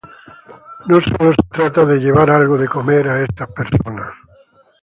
No sólo se trata de llevar algo de comer a estas personas.